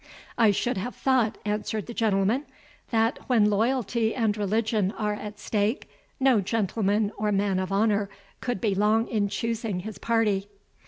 "I should have thought," answered the gentleman, "that, when loyalty and religion are at stake, no gentleman or man of honour could be long in choosing his party."